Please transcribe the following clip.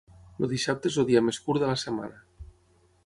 El dissabte és el dia més curt de la setmana.